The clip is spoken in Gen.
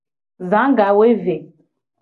Za gawoeve.